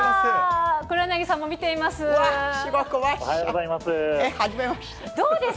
黒柳さんも見ています。